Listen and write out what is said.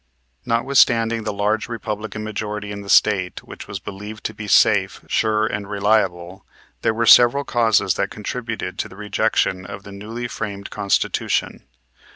Notwithstanding the large Republican majority in the State, which was believed to be safe, sure and reliable, there were several causes that contributed to the rejection of the newly framed Constitution.